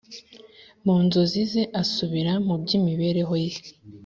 mu nzozi ze, asubira mu by'imibereho ye